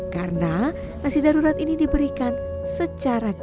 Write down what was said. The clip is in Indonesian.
karena nasi darurat ini diberikan secara langsung